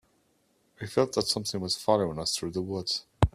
We felt that something was following us through the woods.